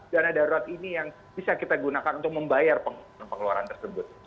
dana darurat ini yang bisa kita gunakan untuk membayar pengeluaran tersebut